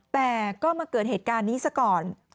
แต่ก็มาเกิดเหตุการณ์นี้ซะก่อน